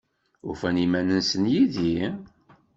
Ufan iman-nsen yid-i?